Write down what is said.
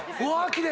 奇麗！